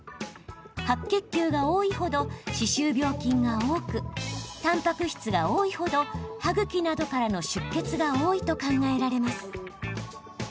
白血球が多いほど歯周病菌が多くたんぱく質が多いほど歯ぐきなどからの出血が多いと考えられます。